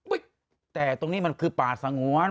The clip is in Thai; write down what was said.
แต่ตรงนี้มันคือป่าสงวน